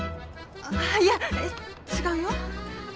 あいや違うよ。